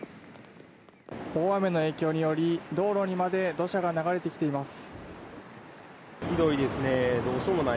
大雨の影響により道路にまで土砂が流れてきています。